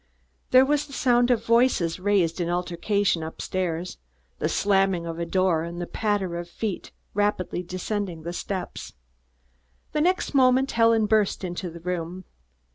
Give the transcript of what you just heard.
There was the sound of voices raised in altercation up stairs, the slamming of a door and the patter of feet rapidly descending the steps. The next moment Helen burst into the room.